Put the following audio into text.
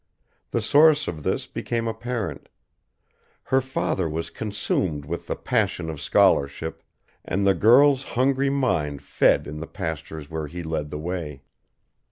The source of this became apparent. Her father was consumed with the passion of scholarship, and the girl's hungry mind fed in the pastures where he led the way.